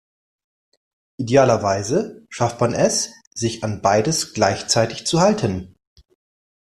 Idealerweise schafft man es, sich an beides gleichzeitig zu halten.